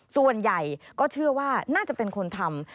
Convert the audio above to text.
ส่วนใหญ่ก็เชื่อว่าน่าจะเป็นคนทำ